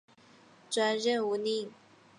转任吴令。